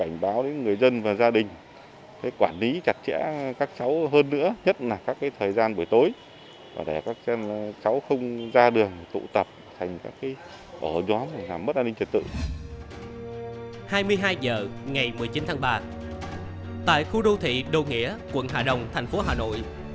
hai mươi hai h ngày một mươi chín tháng ba tại khu đô thị đô nghĩa quận hà đông thành phố hà nội